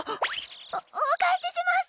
おお返しします！